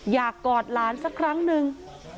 กอดหลานสักครั้งนึง